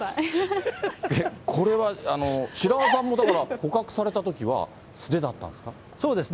これは白輪さんもだから、捕獲されたときは素手だったんですか。